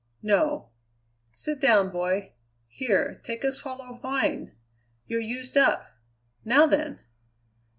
"No." "Sit down, boy. Here, take a swallow of wine. You're used up. Now then!"